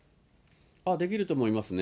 できると思いますね。